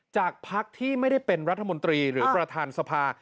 จากพักที่ไม่ได้เป็นรัฐมนตรีหรือประธานสภา